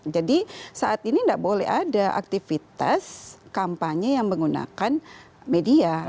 jadi saat ini tidak boleh ada aktivitas kampanye yang menggunakan media